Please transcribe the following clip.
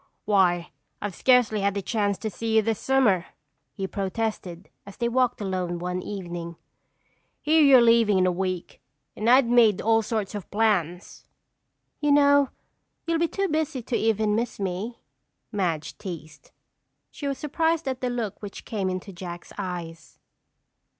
"Why, I've scarcely had a chance to see you this summer," he protested as they walked alone one evening. "Here you're leaving in a week and I'd made all sorts of plans." "You know you'll be too busy to even miss me," Madge teased. She was surprised at the look which came into Jack's eyes.